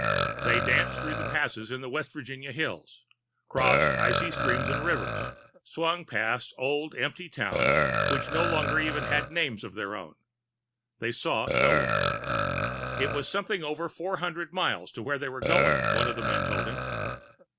They danced through the passes in the West Virginia hills, crossed icy streams and rivers, swung past old empty towns which no longer even had names of their own. They saw no one. It was something over four hundred miles to where they were going, one of the men told him.